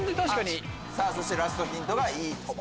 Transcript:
そしてラストヒントがいいとも。